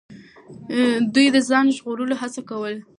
دوی د ځان ژغورلو هڅه کوله.